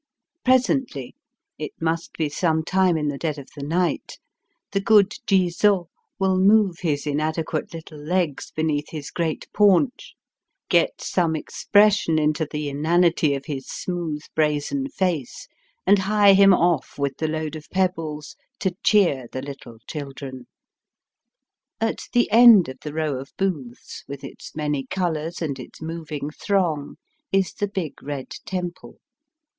Presently (it must be some time in the dead of the night) the good Ji zo will Digitized by VjOOQIC F]fcTE DAT AT ASAKUSA. 211 move his inadequate little legs beneath his great paunch, get some expression into the inanity of his smooth brazen face, and hie him off with the load of pebbles to cheer the little children. At the end of the row of booths, with its many colours and its moving throng, is the big red temple.